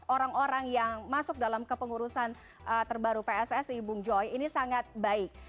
orang orang yang masuk dalam kepengurusan terbaru pssi bung joy ini sangat baik